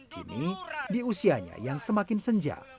kini di usianya yang semakin senja